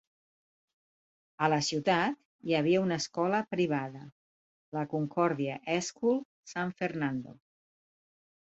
A la ciutat hi havia una escola privada, la Concordia School San Fernando.